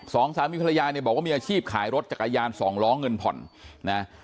สองสามีภรรยาเนี่ยบอกว่ามีอาชีพขายรถจักรยานสองล้อเงินผ่อนนะ